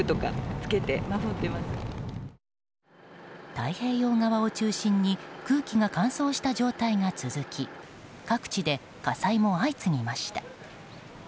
太平洋側を中心に空気が乾燥した状態が続き各地で火災も相次ぎました。